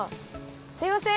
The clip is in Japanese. すいません！